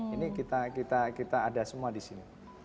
ini kita ada semua di sini